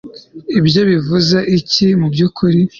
ibyo bivuze iki mubyukuri